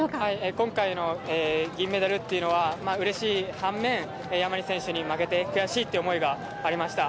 今回の銀メダルというのはうれしい反面山西選手に負けて悔しいっていう思いがありました。